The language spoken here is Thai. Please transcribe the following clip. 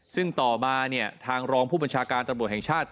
ซึ่งต่อมาเนี่ยทางรองผู้บัญชาการตำรวจแห่งชาติ